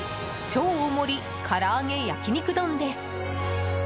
超大盛りからあげ焼肉丼です。